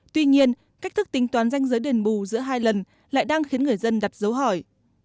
tuy nhiên cách thức tính toán danh giới đền bù giữa hai lần lại đang khiến người dân đặt dấu hỏi